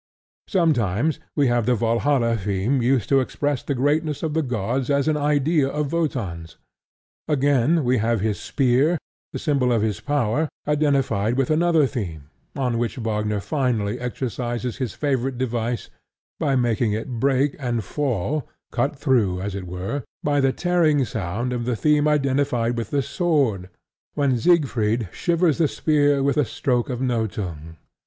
Sometimes we have the Valhalla theme used to express the greatness of the gods as an idea of Wotan's. Again, we have his spear, the symbol of his power, identified with another theme, on which Wagner finally exercises his favorite device by making it break and fail, cut through, as it were, by the tearing sound of the theme identified with the sword, when Siegfried shivers the spear with the stroke of Nothung.